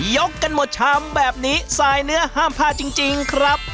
กันหมดชามแบบนี้สายเนื้อห้ามพลาดจริงครับ